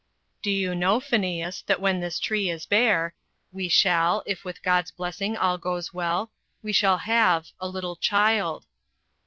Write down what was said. "Do you know, Phineas, that when this tree is bare we shall, if with God's blessing all goes well we shall have a little child."